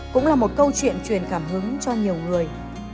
cũng là một câu chuyện truyền cảm hứng cho nhiều người